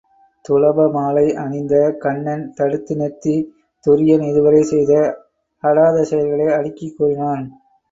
துளப மாலை அணிந்த கண்ணன் தடுத்து நிறுத்தித் துரியன் இதுவரை செய்த அடாத செயல்களை அடுக்கிக் கூறினான்.